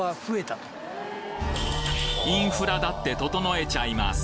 インフラだって整えちゃいます